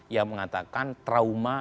yang mengatakan trauma